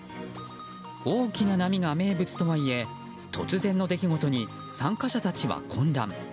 大きな波が名物とはいえ突然の出来事に参加者たちは混乱。